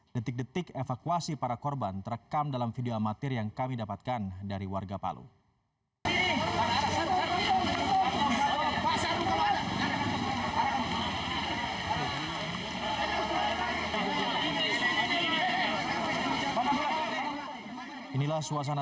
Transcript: detik detik evakuasi para korban terekam dalam video amatir yang kami dapatkan dari warga palu